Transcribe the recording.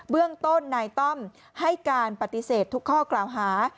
เรื่องต้นนายต้อมให้การปฏิเสธทุกข้อกล่าวหา